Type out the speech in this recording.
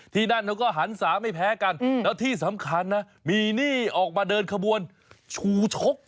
ที่นั่นเขาก็หันศาไม่แพ้กันแล้วที่สำคัญนะมีนี่ออกมาเดินขบวนชูชก